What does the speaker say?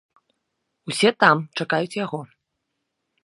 Усе там, чакаюць яго.